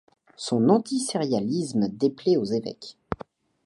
Son anticléricalisme déplaît aux évêques.